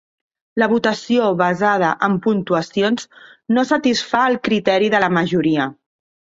La votació basada en puntuacions no satisfà el criteri de la majoria.